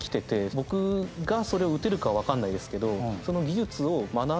僕がそれを撃てるかは分かんないですけどその。